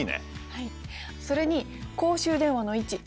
それに公衆電話の位置。